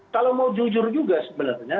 kalau mau jujur juga sebenarnya